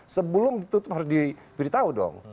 sebelum ditutup harus diberitahu dong